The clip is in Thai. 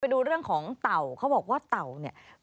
ดูเรื่องของเต่าเขาบอกว่าเต่าเนี่ย